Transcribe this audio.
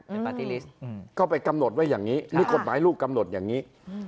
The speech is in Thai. เป็นปาร์ตี้ลิสต์ก็ไปกำหนดไว้อย่างนี้หรือกฎหมายลูกกำหนดอย่างนี้